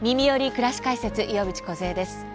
くらし解説」岩渕梢です。